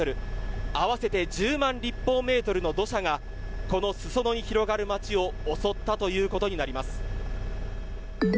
合わせて１０万立方メートルの土砂がこの裾野に広がる街を襲ったということになります。